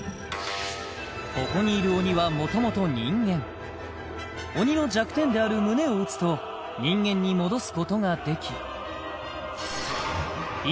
ここにいる鬼は元々人間鬼の弱点である胸を撃つと人間に戻すことができ１